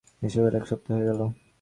এসবের এক সপ্তাহ হয়ে গেল।